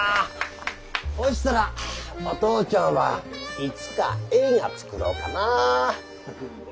ほしたらお父ちゃんはいつか映画作ろうかな。